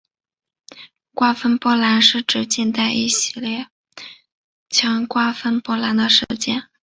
瓜分波兰是指近代一系列列强瓜分波兰的事件。